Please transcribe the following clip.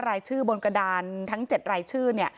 รายชื่อบนกระดานทั้ง๗รายชื่อ